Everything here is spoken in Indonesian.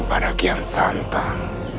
pada kian santang